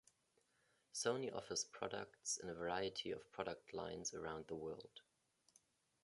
Sony offers products in a variety of product lines around the world.